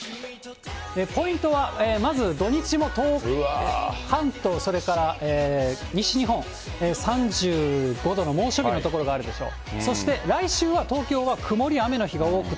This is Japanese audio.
ポイントはまず、土日も関東、それから西日本、３５度の猛暑日の所があるでしょう。